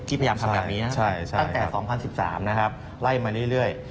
พยายามทำแบบนี้ตั้งแต่๒๐๑๓นะครับไล่มาเรื่อย